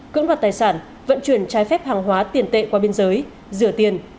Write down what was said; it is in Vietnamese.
cưỡng đoạt tài sản vận chuyển trái phép hàng hóa tiền tệ qua biên giới rửa tiền